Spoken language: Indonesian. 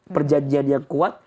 perjanjian yang kuat